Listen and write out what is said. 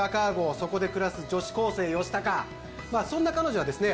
そこで暮らす女子高生・吉高そんな彼女はですね